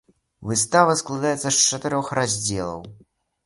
Выстава складаецца з чатырох раздзелаў.